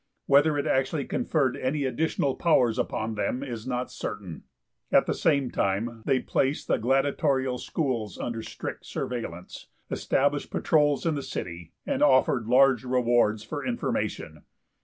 Whether it actually conferred any additional powers upon them, is not certain. At the same time they placed the gladiatorial schools under strict surveillance, established patrols in the city, and offered large rewards for information.